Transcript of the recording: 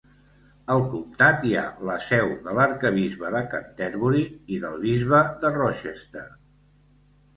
Al comtat hi ha la seu de l'arquebisbe de Canterbury i del bisbe de Rochester.